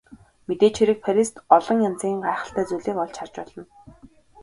Мэдээж хэрэг Парист олон янзын гайхалтай зүйлийг олж харж болно.